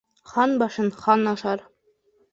Хан башын хан ашар.